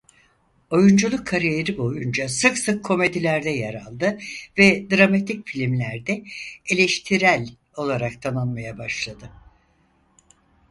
Oyunculuk kariyeri boyunca sık sık komedilerde yer aldı ve dramatik filmlerde eleştirel olarak tanınmaya başladı.